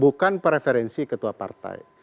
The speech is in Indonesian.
bukan preferensi ketua partai